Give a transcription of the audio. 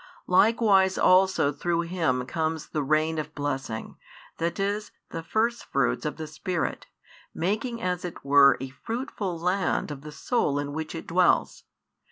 Likewise also through Him comes the rain of blessing, that is, the first fruits of the Spirit, making as it were a fruitful land of the soul in which it dwells.